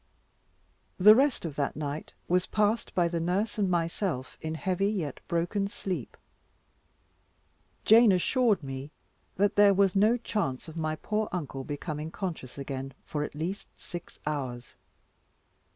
The rest of that night was passed by the nurse and myself in heavy yet broken sleep. Jane assured me that there was no chance of my poor uncle becoming conscious again, for at least six hours.